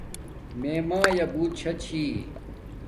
میے مایا بوت شاہ چھی